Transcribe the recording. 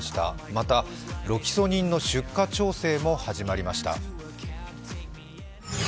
またロキソニンの出荷調整も始まりました。